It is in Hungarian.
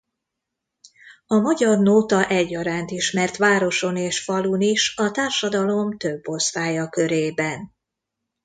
A magyar nóta egyaránt ismert városon és falun is a társadalom több osztálya körében.